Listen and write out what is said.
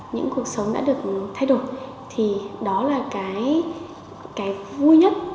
những cuộc sống đã được thay đổi thì đó là cái vui nhất